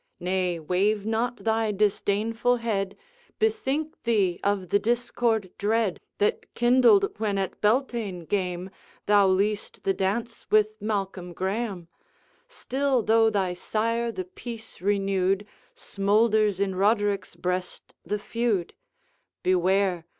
Nay, wave not thy disdainful head! Bethink thee of the discord dread That kindled when at Beltane game Thou least the dance with Malcolm Graeme; Still, though thy sire the peace renewed Smoulders in Roderick's breast the feud: Beware!